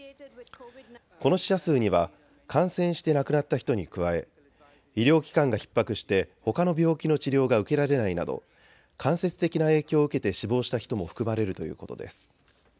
この死者数には感染して亡くなった人に加え、医療機関がひっ迫してほかの病気の治療が受けられないなど間接的な影響を受けて死亡した人も含まれるということです。